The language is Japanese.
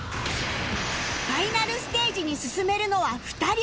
ファイナルステージに進めるのは２人